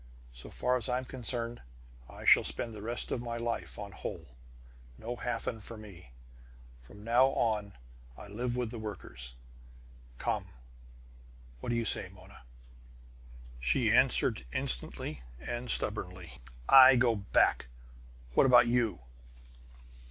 "So far as I'm concerned, I shall spend the rest of my life on Holl! No Hafen for mine! From now on I live with the workers. Come what do you say, Mona?" She answered instantly and stubbornly: "I go back. What about you?"